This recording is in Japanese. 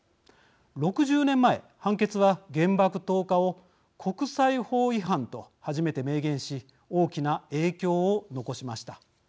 ６０年前、判決は原爆投下を国際法違反と初めて明言し大きな影響を残しました。